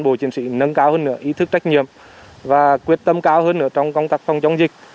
bộ chiến sĩ nâng cao hơn nữa ý thức trách nhiệm và quyết tâm cao hơn nữa trong công tác phòng chống dịch